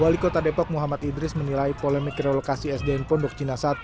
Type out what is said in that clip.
wali kota depok muhammad idris menilai polemik relokasi sdn pondok cina i